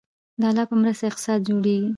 د الله په مرسته اقتصاد جوړیږي